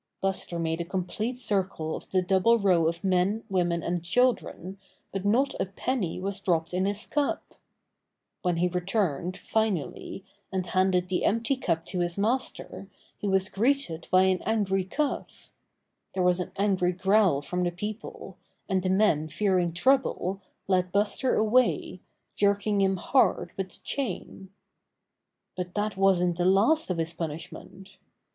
Buster made a complete circle of the double row of men, women and children, but not a penny was dropped in his cup. When he re turned, finally, and handed the empty cup to his master he was greeted by an angry cuff. There was an angry growl from the people, and the men fearing trouble led Buster away, jerking him hard with the chain. But that wasn't the last of his punishment.